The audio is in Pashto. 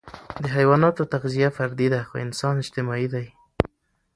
د حيواناتو تغذیه فردي ده، خو انسان اجتماعي دی.